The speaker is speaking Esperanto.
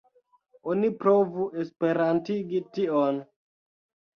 Oni provu esperantigi tion.